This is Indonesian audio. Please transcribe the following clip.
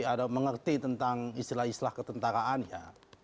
ada mengerti tentang istilah istilah ketentaraan ya